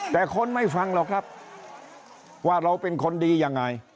แต่คนไม่ฟังหรอกครับว่าเราเป็นคนดียังไง